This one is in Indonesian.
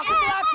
aku tuh lagi